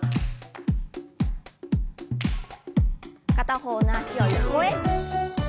片方の脚を横へ。